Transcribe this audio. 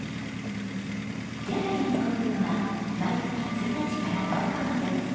ギャラリーのオープンは毎月１日から１０日まで。